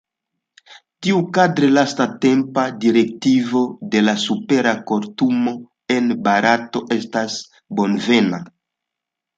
Tiukadre lastatempa direktivo de la supera kortumo en Barato estas bonvena.